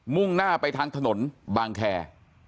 ่งหน้าไปทางถนนบางแคร์